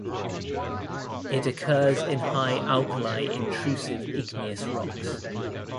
It occurs in high alkali intrusive igneous rocks.